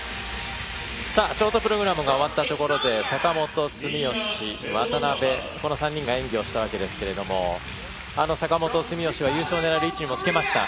ショートプログラムが終わったところで坂本、住吉渡辺、この３人が演技をしたわけですけれども坂本、住吉は優勝を狙える位置にもつけました。